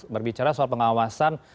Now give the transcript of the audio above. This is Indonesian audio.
berbicara soal pengawasan